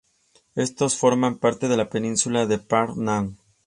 Estos forman parte de la península de Phra Nang.